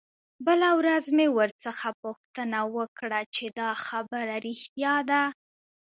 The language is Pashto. بله ورځ مې ورڅخه پوښتنه وکړه چې دا خبره رښتيا ده.